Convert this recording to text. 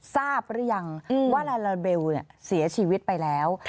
ทราบหรือยังว่าลาลาเบลเสียชีวิตไปแล้ว